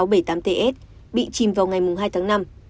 bị chìm vào ngày hai tháng chín